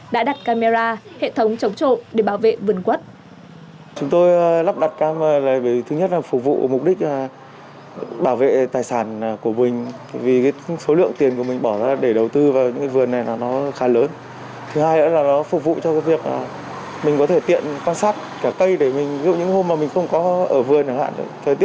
đã đặt camera hệ thống chống trộm để bảo vệ vườn quất